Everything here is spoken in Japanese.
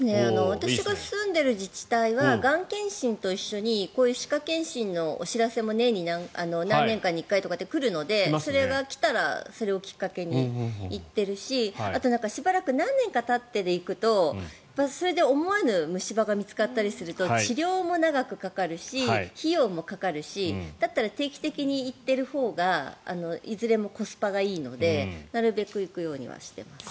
私が住んでいる自治体はがん検診と一緒にこういう歯科検診のお知らせも何年かに一回とか来るのでそれが来たらそれをきっかけに行ってるしあとしばらく何年かたって行くとそれで思わぬ虫歯が見つかったりすると治療も長くかかるし費用もかかるしだったら定期的に行っているほうがいずれコスパがいいのでなるべく行くようにはしています。